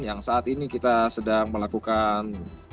yang saat ini kita sedang melakukan